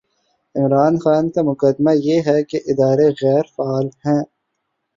عمران خان کا مقدمہ یہ ہے کہ ادارے غیر فعال ہیں۔